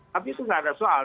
tapi itu tidak ada soal